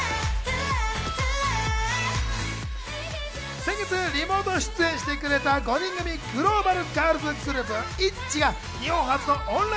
先月リモート出演してくれた５人組グローバルガールズグループ・ＩＴＺＹが日本初のオンライ